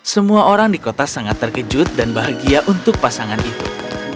semua orang di kota sangat terkejut dan bahagia untuk pasangan itu